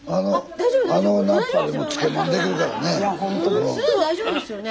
大丈夫ですよね？